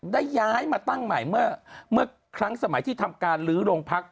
ได้ย้ายมาตั้งใหม่เมื่อครั้งสมัยที่ทำการลื้อโรงพัก